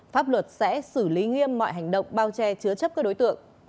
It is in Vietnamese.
pháp luật sẽ xử lý nghiêm mọi hành động bao che chứa chấp các đối tượng